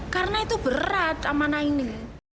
karena itu berat amanah ini